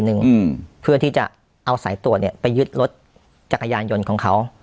อืมเพื่อที่จะเอาสายตรวจเนี้ยไปยึดรถจักรยานยนต์ของเขา